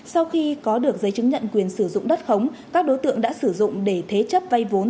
sau khi có được giấy chứng nhận quyền sử dụng đất khống các đối tượng đã sử dụng để thế chấp vay vốn